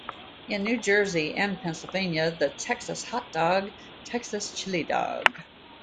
In New Jersey and Pennsylvania, the "Texas hot dog,", "Texas chili dog.